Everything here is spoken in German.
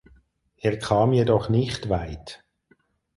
Er kam jedoch nicht weit.